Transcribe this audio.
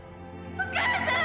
お母さん！